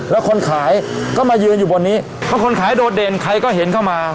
แล้วคนขายก็มายืนอยู่บนนี้เพราะคนขายโดดเด่นใครก็เห็นเข้ามา